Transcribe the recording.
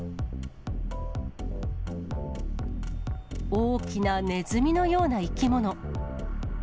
大きなネズミのような生き物。